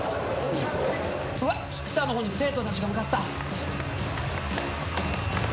うわっ菊田の方に生徒たちが向かった。